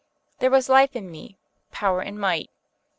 There was life in me, power and might.